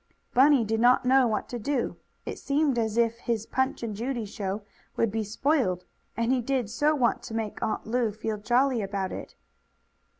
Bunny did not know what to do. It seemed as if his Punch and Judy show would be spoiled, and he did so want to make Aunt Lu feel jolly about it.